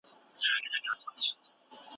وزیرانو به نوي تړونونه لاسلیک کول.